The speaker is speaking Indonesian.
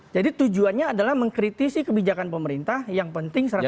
jadi tujuannya adalah mengkritisi kebijakan pemerintah yang penting strategis